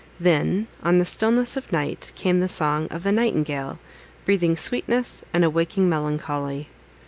Then, on the stillness of night, came the song of the nightingale, breathing sweetness, and awakening melancholy.